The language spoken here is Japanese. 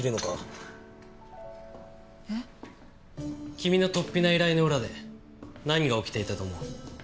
君のとっぴな依頼の裏で何が起きていたと思う？